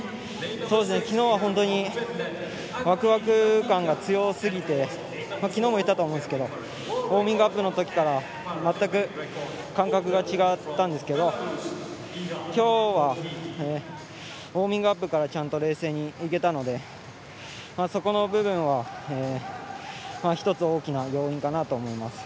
昨日は本当にワクワク感が強すぎて昨日も言ったと思うんですけどウォーミングアップのときから全く感覚が違ったんですけど今日はウォーミングアップからちゃんと冷静にいけたのでそこの部分は１つ、大きな要因かなと思います。